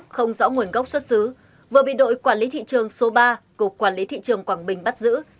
không rõ nguồn gốc xuất xứ vừa bị đội quản lý thị trường số ba cục quản lý thị trường quảng bình bắt giữ